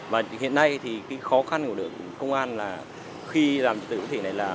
và hiện nay thì khó khăn của đường công an là khi làm dịch vụ này là